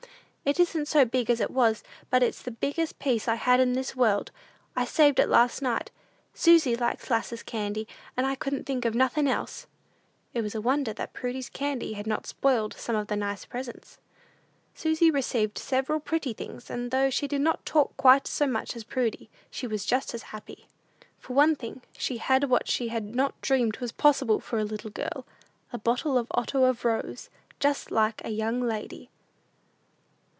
"It isn't so big as it was, but it's the biggest piece I had in this world. I saved it last night. Susy likes 'lasses candy, and I couldn't think of nothin' else." It was a wonder that Prudy's candy had not spoiled some of the nice presents. Susy received several pretty things; and though she did not talk quite so much as Prudy, she was just as happy. For one thing, she had what she had not dreamed was possible for a little girl a bottle of otto of rose; "just like a young lady."